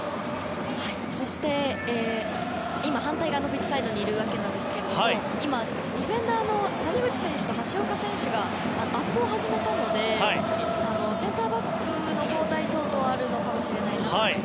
そして今、反対側のピッチサイドにいるわけですが今、ディフェンダーの谷口選手と橋岡選手がアップを始めたのでセンターバックの交代等々があるかもしれません。